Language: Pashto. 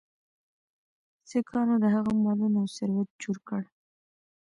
سیکهانو د هغه مالونه او ثروت چور کړ.